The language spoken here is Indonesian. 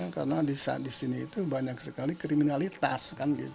karena di sini itu banyak sekali kriminalitas